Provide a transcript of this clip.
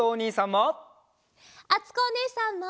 あつこおねえさんも！